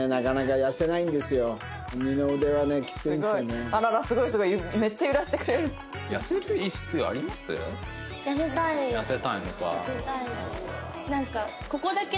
痩せたいのか。